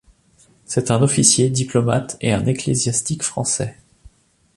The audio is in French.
C'est un officier, diplomate et un ecclésiastique français.